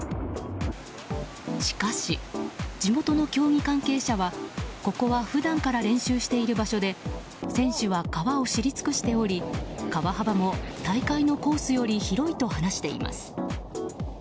しかし、地元の競技関係者はここは普段から練習している場所で選手は、川を知り尽くしており川幅も大会のコースより広いと話しています。